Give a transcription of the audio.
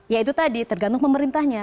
ya itu tadi tergantung pemerintahnya